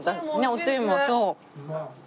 おつゆもそう。